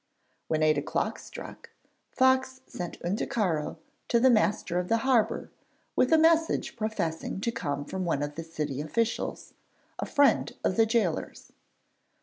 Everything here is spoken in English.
When eight o'clock struck, Fox sent Unticaro to the master of the harbour, with a message professing to come from one of the city officials, a friend of the gaolers.